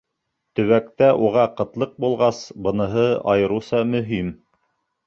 Төбәктә уға ҡытлыҡ булғас, быныһы айырыуса мөһим.